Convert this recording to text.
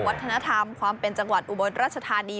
วัฒนธรรมความเป็นจังหวัดอุบลราชธานี